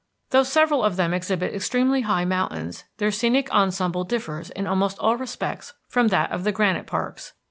Though several of them exhibit extremely high mountains, their scenic ensemble differs in almost all respects from that of the granite parks.